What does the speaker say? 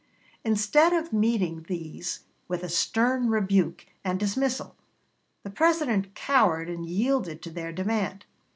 Instead of meeting these with a stern rebuke and dismissal, the President cowered and yielded to their demand.